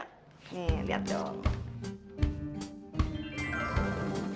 nih lihat dong